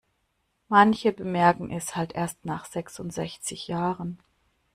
Manche bemerken es halt erst nach sechsundsechzig Jahren.